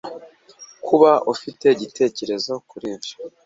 waba ufite igitekerezo kuri byo